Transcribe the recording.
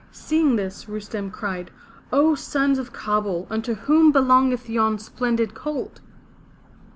Seeing this, Rustem cried: *'0 sons of Kabul, unto whom belongeth yon splendid colt?'